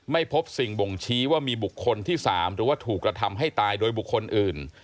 ไม่พบสิ่งบ่งชี้ว่ามีบุคคลที่๓หรือว่าถูกกระทำให้ตายโดยบุคคลอื่น